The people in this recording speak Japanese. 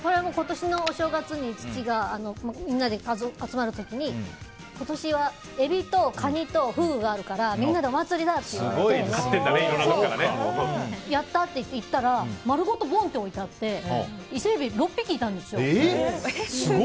今年のお正月に父がみんなで集まる時に今年はエビとカニとフグがあるからみんなでお祭りだって言ってやった！って行ったら丸ごと置いてあってイセエビ６匹いたんですよ。